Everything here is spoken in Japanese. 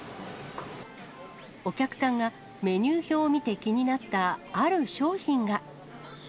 お客さんがメニュー表を見て気になったある商品が。